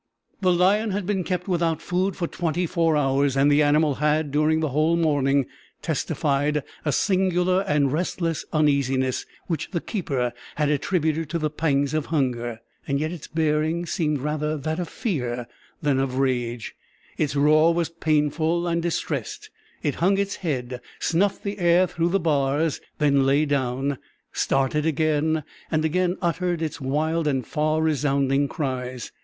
The lion had been kept without food for twenty four hours, and the animal had, during the whole morning, testified a singular and restless uneasiness, which the keeper had attributed to the pangs of hunger. Yet its bearing seemed rather that of fear than of rage; its roar was painful and distressed; it hung its head snuffed the air through the bars then lay down started again and again uttered its wild and far resounding cries.